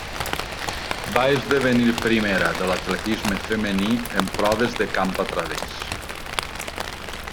Va esdevenir primera de l'atletisme femení en proves de camp a través.